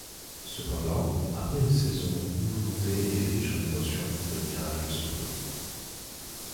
Cependant, après une saison mouvementée et riche en émotions, le miracle se produit.